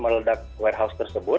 meledak warehouse tersebut